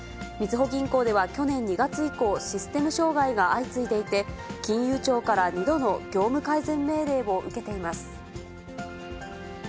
みずほ銀行では去年２月以降、システム障害が相次いでいて、金融庁から２度の業務改善命令を受けています。